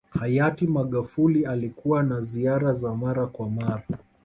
Hayati Magufuli alikuwa na ziara za mara kwa